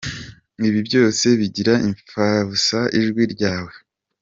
Ibi byose bigira impfabusa ijwi ryawe.